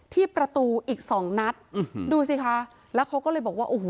ที่ประตูอีกสองนัดอืมดูสิคะแล้วเขาก็เลยบอกว่าโอ้โห